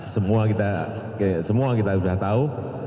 semua kita semua kita sudah tahu